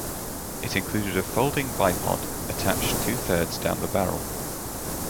It included a folding bipod attached two-thirds down the barrel.